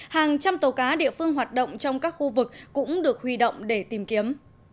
hàng trăm tàu cá địa phương hoạt động trong các khu vực cũng được huy động để tìm kiếm